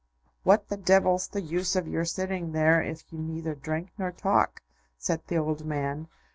"What the devil's the use of your sitting there if you neither drink nor talk?" said the old man.